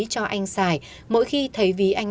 cho anh xài mỗi khi thấy ví anh